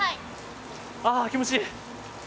ああ気持ちいい！